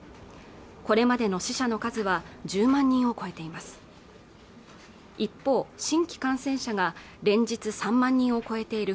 これまでの死者の数は１０万人を超えています